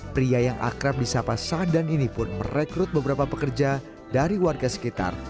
pria yang akrab di sapa sadan ini pun merekrut beberapa pekerja dari warga sekitar